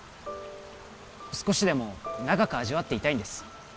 少しでも長く味わっていたいんです